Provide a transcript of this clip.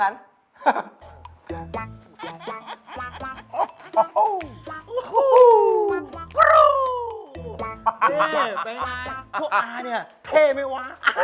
บ๊ายบายพวกอ่านี่เท่มิวะ